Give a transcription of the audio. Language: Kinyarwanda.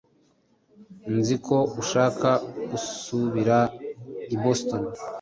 Nzi ko ushaka gusubira i Boston.